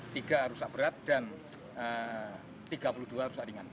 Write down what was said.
tiga rusak berat dan tiga puluh dua rusak ringan